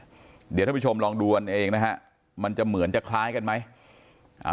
เดี๋ยวท่านผู้ชมลองดูกันเองนะฮะมันจะเหมือนจะคล้ายกันไหมอ่า